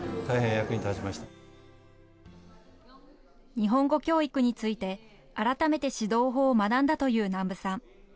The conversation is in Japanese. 日本語教育について、改めて指導法を学んだという南部さん。